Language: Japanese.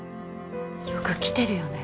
よく来てるよね